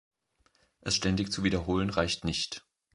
Es ständig zu wiederholen, reicht nicht.